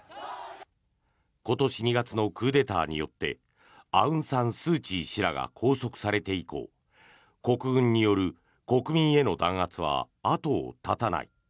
今年２月のクーデターによってアウン・サン・スー・チー氏らが拘束されて以降国軍による国民への弾圧は後を絶たない。